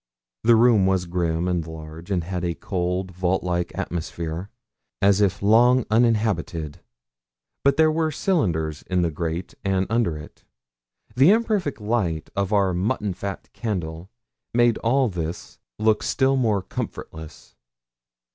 The room was grim and large, and had a cold, vault like atmosphere, as if long uninhabited; but there were cinders in the grate and under it. The imperfect light of our mutton fat candle made all this look still more comfortless.